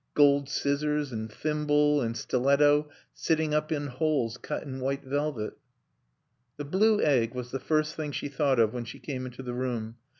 Gold scissors and thimble and stiletto sitting up in holes cut in white velvet. The blue egg was the first thing she thought of when she came into the room.